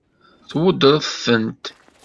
Tweddṛeḍ-tent?